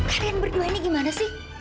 kalian berdua ini gimana sih